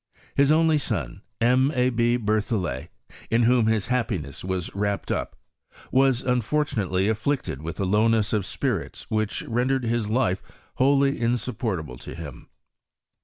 His only son, M. A. B. Ber thollet, in whom his happiness was wrapped up, was unfortunately afflicted with a lowneSB of spirits which rendered his life wholly insupportable to him.